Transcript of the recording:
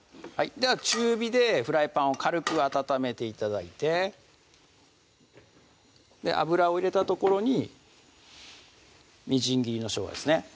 中火でフライパンを軽く温めて頂いて油を入れたところにみじん切りのしょうがですね